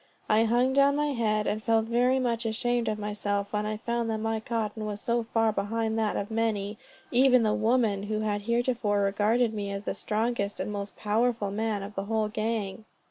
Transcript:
I hung down my head, and felt very much ashamed of myself when I found that my cotton was so far behind that of many, even of the women, who had heretofore regarded me as the strongest and most powerful man of the whole gang.